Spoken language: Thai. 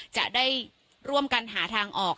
จะได้ร่วมกันหาทางออก